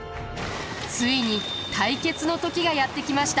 ついに対決の時がやって来ました。